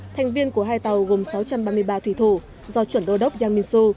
thành viên của hai tàu gồm sáu trăm ba mươi ba thủy thủ do chuẩn đô đốc yang minsu